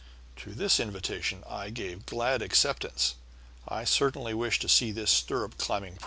To this invitation I gave glad acceptance; I certainly wished to see this stirrup climbing process.